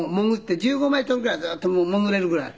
１５メートルぐらいずっと潜れるぐらい。